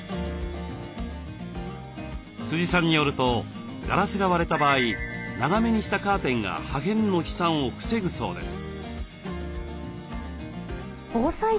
さんによるとガラスが割れた場合長めにしたカーテンが破片の飛散を防ぐそうです。